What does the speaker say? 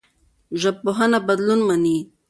ژبپوهنه بدلون مني.